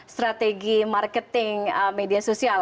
strategi marketing media sosial